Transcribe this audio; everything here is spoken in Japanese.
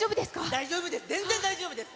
大丈夫です、全然大丈夫です。